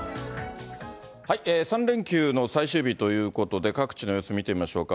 ３連休の最終日ということで、各地の様子見てみましょうか。